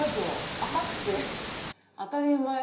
赤くて当たり前。